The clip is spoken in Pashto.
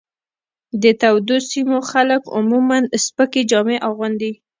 د تودو سیمو خلک عموماً سپکې جامې اغوندي.